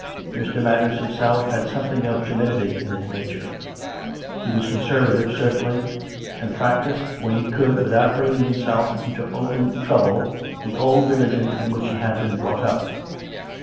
Mr. Manners himself had something of timidity in his nature: he was conservative certainly, and practised, when he could without bringing himself into open trouble, the old religion in which he had been brought up.